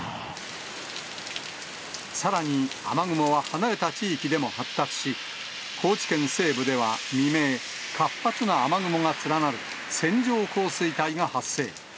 さらに雨雲は離れた地域でも発達し、高知県西部では未明、活発な雨雲が連なる線状降水帯が発生。